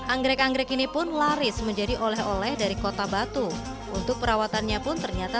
anggrek anggrek ini pun laris menjadi oleh oleh dari kota batu untuk perawatannya pun ternyata